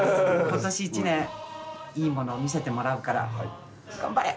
今年１年いいものを見せてもらうから頑張れ！